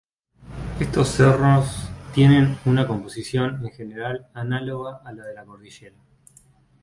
Estos cerros tienen una composición, en general, análoga a la de la cordillera.